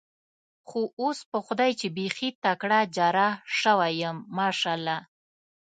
خو اوس په خدای چې بېخي تکړه جراح شوی یم، ماشاءالله.